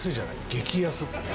「激安」ってね。